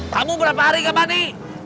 kamu berapa hari kembali